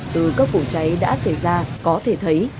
từ các vụ cháy đã xảy ra có thể thấy